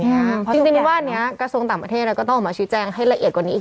เพราะจริงว่าอันนี้กระทรวงต่างประเทศก็ต้องออกมาชี้แจงให้ละเอียดกว่านี้อีก